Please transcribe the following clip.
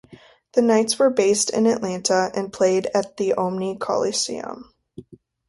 The Knights were based in Atlanta, and played at the Omni Coliseum.